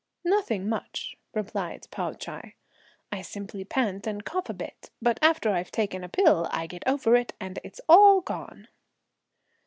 "Nothing much," replied Pao Ch'ai; "I simply pant and cough a bit; but after I've taken a pill, I get over it, and it's all gone."